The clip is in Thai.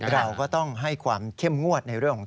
เราก็ต้องให้ความเข้มงวดในเรื่องของ